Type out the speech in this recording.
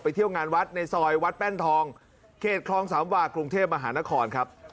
เที่ยวงานวัดในซอยวัดแป้นทองเขตคลองสามวากรุงเทพมหานครครับ